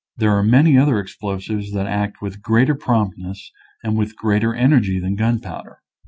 There are many other explosives that act with greater promptness and with greater energy than gun powder.